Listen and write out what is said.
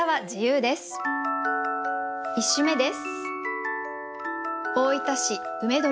１首目です。